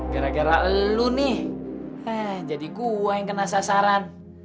gara gara elu nih jadi gue yang kena sasaran